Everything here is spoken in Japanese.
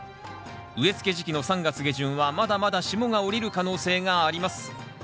植えつけ時期の３月下旬はまだまだ霜が降りる可能性があります。